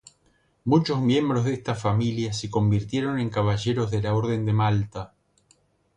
Muchos miembros de esta familia se convirtieron en caballeros de la Orden de Malta.